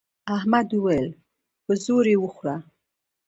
احمد وويل: په زور یې وخوره.